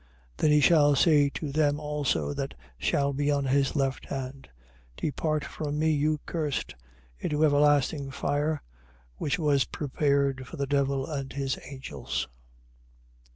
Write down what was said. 25:41. Then he shall say to them also that shall be on his left hand: Depart from me, you cursed, into everlasting fire, which was prepared for the devil and his angels.